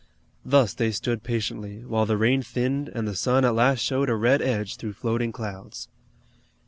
Thus they stood patiently, while the rain thinned and the sun at last showed a red edge through floating clouds.